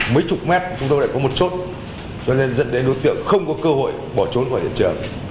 mấy chục mét chúng tôi lại có một chốt cho nên dẫn đến đối tượng không có cơ hội bỏ trốn khỏi hiện trường